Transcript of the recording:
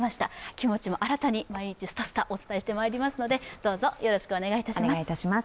気持ちも新たに毎日すたすたお伝えしてまいりますので、どうぞよろしくお願いいたします。